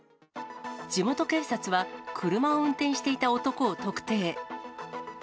地元警察は、車を運転していた男を特定。